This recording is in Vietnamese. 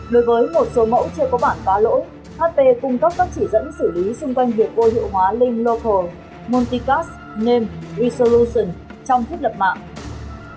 đối với một số mẫu chưa có bản phá lỗi hp cung cấp các chỉ dẫn xử lý xung quanh việc vô hiệu hóa link local multicast name resolution trong thiết lập mạng